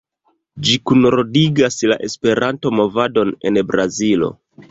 Ĝi kunordigas la Esperanto-movadon en Brazilo.